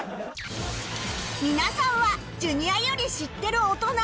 皆さんは Ｊｒ． より知ってる大人？